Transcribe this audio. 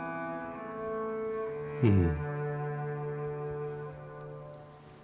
うん。